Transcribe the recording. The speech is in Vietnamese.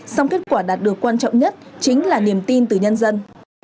song kết quả đạt được quan trọng nhất chính là niềm tin từ nhân dân